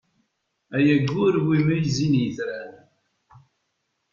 Ay aggur iwumi zzin yetran!